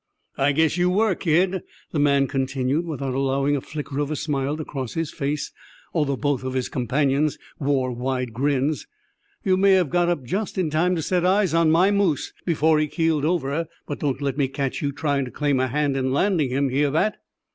"I guess you were, kid," the man continued, without allowing a flicker of a smile to cross his face, although both of his companions wore wide grins. "You may have got up just in time to set eyes on my moose before he keeled over; but don't let me catch you trying to claim a hand in landing him; hear that?"